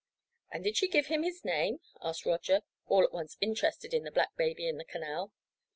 "And did she give him his name?" asked Roger, all at once interested in the black baby in the canal.